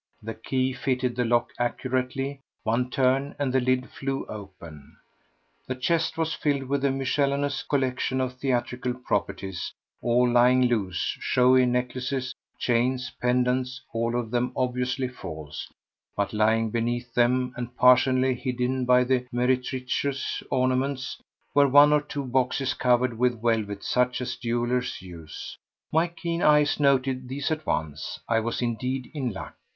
The key fitted the lock accurately; one turn, and the lid flew open. The chest was filled with a miscellaneous collection of theatrical properties all lying loose—showy necklaces, chains, pendants, all of them obviously false; but lying beneath them, and partially hidden by the meretricious ornaments, were one or two boxes covered with velvet such as jewellers use. My keen eyes noted these at once. I was indeed in luck!